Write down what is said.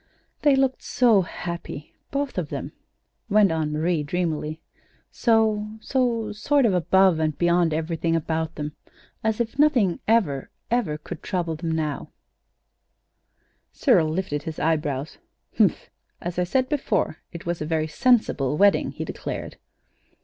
"They looked so happy both of them," went on Marie, dreamily; "so so sort of above and beyond everything about them, as if nothing ever, ever could trouble them now." Cyril lifted his eyebrows. "Humph! Well, as I said before, it was a very sensible wedding," he declared.